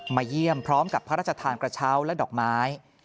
เยี่ยมพร้อมกับพระราชทานกระเช้าและดอกไม้